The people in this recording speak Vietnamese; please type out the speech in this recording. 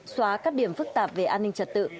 xóa các điểm phức tạp về an ninh trật tự